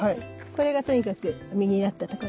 これがとにかく実になったところね。